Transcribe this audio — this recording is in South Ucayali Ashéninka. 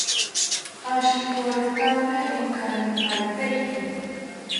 Ashikorotake inkanipaiteki